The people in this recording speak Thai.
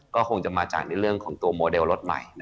ก็คงจะมาจากในเรื่องของตัวโมเดลรถใหม่